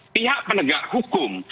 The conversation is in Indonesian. pihak penegak hukum